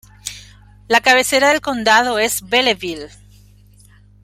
La cabecera del condado es Belleville.